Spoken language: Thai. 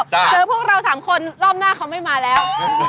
เจอพวกเราสามคนรอบหน้าเขาไม่มาแล้ว